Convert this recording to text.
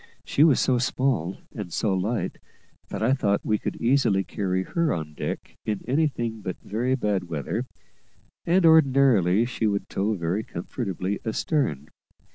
She was so small and so light, that I thought we could easily carry her on deck in anything but very bad weather, and, ordinarily, she would tow very comfortably astern.